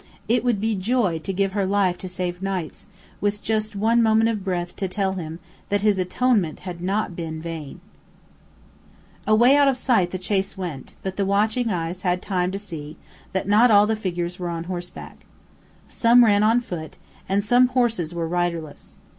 It would be joy to give her life to save Knight's, with just one moment of breath to tell him that his atonement had not been vain. Away out of sight the chase went, but the watching eyes had time to see that not all the figures were on horseback. Some ran on foot; and some horses were riderless.